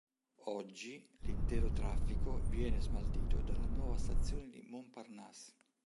Oggi l'intero traffico viene smaltito dalla nuova stazione di Montparnasse.